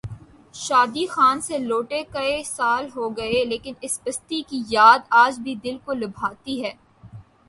شادی خان سے لوٹے کئی سال ہو گئے لیکن اس بستی کی یاد آج بھی دل کو لبھاتی ہے۔